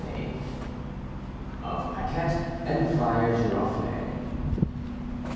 XXIV OF PAQUETTE AND FRIAR GIROFLÉE.